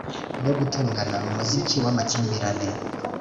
yo gutongana, umuziki w'amakimbirane